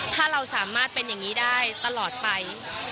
ถ้าเราสามารถเป็นอย่างนี้ได้ตลอดไป